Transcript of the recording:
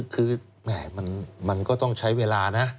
คือแหม่มันก็ต้องใช้เวลานะ